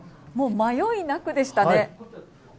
もう迷いなくでしたね。